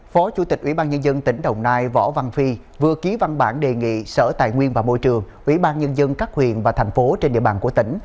phó chủ tịch ủy ban nhân dân tỉnh đồng nai võ văn phi vừa ký văn bản đề nghị sở tài nguyên và môi trường ủy ban nhân dân các huyện và thành phố trên địa bàn của tỉnh